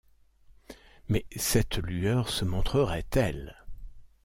Mais cette lueur se montrerait-elle ?